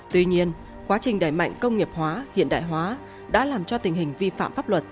tuy nhiên quá trình đẩy mạnh công nghiệp hóa hiện đại hóa đã làm cho tình hình vi phạm pháp luật